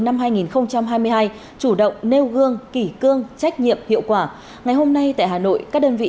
năm hai nghìn hai mươi hai chủ động nêu gương kỷ cương trách nhiệm hiệu quả ngày hôm nay tại hà nội các đơn vị